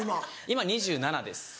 今２７です。